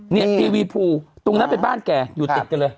ทีวีภูตรงนั้นเป็นบ้านแกอยู่ติดกันเลย